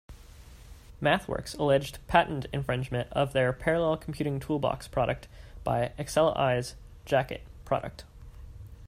MathWorks alleged patent infringement of their Parallel Computing Toolbox product by AcceleEyes' Jacket product.